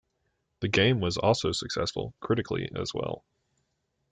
The game was also successful critically as well.